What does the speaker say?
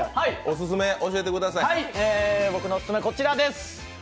僕のオススメこちらです。